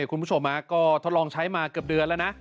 คุณผู้ชมก็ทดลองใช้มาเกือบเดือนแล้วนะ